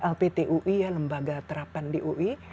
lpt ui ya lembaga terapan di ui